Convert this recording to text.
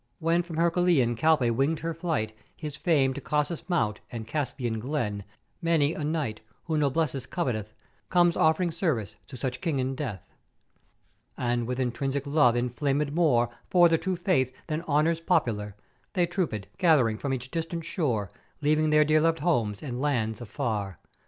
When from Hercùlean Calpè winged her flight his fame to Caucasus Mount and Caspian glen, many a knight, who noblesse coveteth, comes offering service to such King and Death. "And with intrinsic love inflamèd more for the True Faith, than honours popular, they troopèd, gath'ering from each distant shore, leaving their dear loved homes and lands afar.